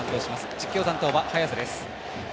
実況担当は早瀬です。